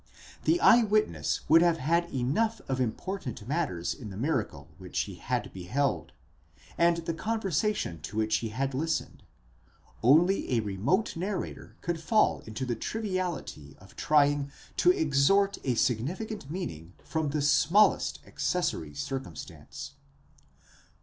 The eye witness would have had enough of important matters in the miracle which he had beheld, and the conversation to which he had listened; only a remote narrator could fall into the triviality of trying to extort a significant meaning from the smallest accessory circumstance.